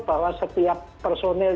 bahwa setiap personel